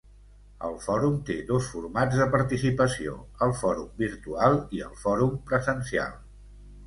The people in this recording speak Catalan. El Fòrum té dos formats de participació, el Fòrum virtual i el Fòrum presencial.